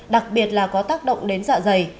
đặc biệt là có tác động đến dạ dày